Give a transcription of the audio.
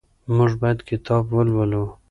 موږ باید کتاب ولولو.